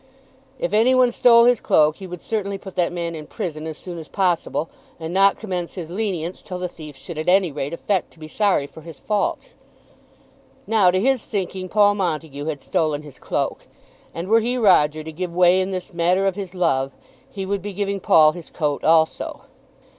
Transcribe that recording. If any one stole his cloak he would certainly put that man in prison as soon as possible and not commence his lenience till the thief should at any rate affect to be sorry for his fault. Now, to his thinking, Paul Montague had stolen his cloak, and were he, Roger, to give way in this matter of his love, he would be giving Paul his coat also.